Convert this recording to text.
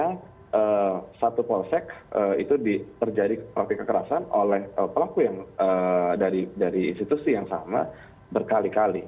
karena di satu polsek itu terjadi profil kekerasan oleh pelaku dari institusi yang sama berkali kali